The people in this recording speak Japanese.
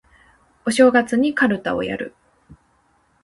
お正月にかるたをやる